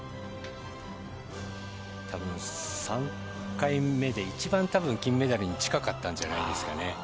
多分、３回目で一番金メダルに近かったんじゃないですかね。